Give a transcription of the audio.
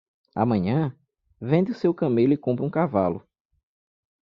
Amanhã? vende o seu camelo e compra um cavalo.